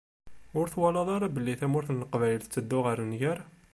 Ur twalaḍ ara belli tamurt n Leqbayel tetteddu ɣer nnger?